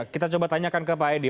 kita coba tanyakan ke pak edi